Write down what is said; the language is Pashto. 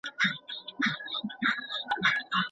ښوونکي بايد په صنفونو کې لارښوونې بيان کړي.